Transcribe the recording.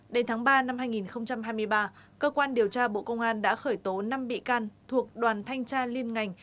đến tháng ba năm hai nghìn hai mươi ba cơ quan điều tra bộ công an đã khởi tố năm bị can thuộc đoàn thanh tra liên ngành